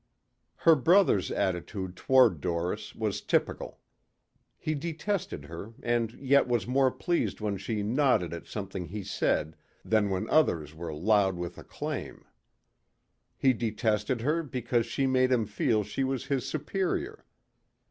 Her brother's attitude toward Doris was typical. He detested her and yet was more pleased when she nodded at something he said than when others were loud with acclaim. He detested her because she made him feel she was his superior.